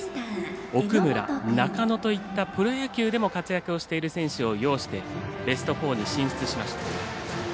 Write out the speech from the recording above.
奥村、中野といったプロ野球でも活躍をしている選手を擁してベスト４に進出しました。